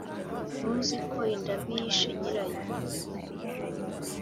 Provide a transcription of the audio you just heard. ntuzi ko inda mbi yishe nyirayo’